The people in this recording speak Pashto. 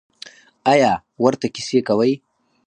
ایا ورته کیسې کوئ؟